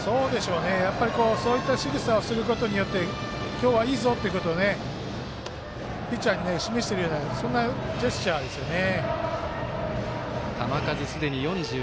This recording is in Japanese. やっぱり、そういったしぐさをすることによって今日はいいぞ！ということをピッチャーに示してるようなそんなジェスチャーですよね。